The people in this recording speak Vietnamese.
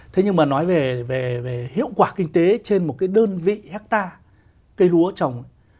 thế nhưng mà nói về hiệu quả kinh tế trên một cái đơn vị hectare cây lúa trồng